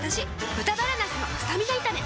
「豚バラなすのスタミナ炒め」